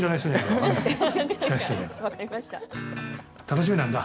楽しみなんだ。